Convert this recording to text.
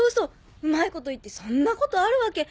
うまいこと言ってそんなことあるわけ。